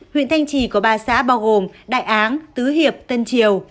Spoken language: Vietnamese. huyện thanh trì có ba xã bao gồm đại áng tứ hiệp tân triều